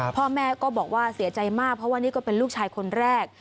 พ่อแม่ก็บอกว่าเสียใจมากเพราะว่านี่ก็เป็นลูกชายคนแรก